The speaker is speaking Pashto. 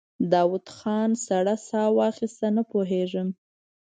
داوود خان سړه سا وايسته: نه پوهېږم.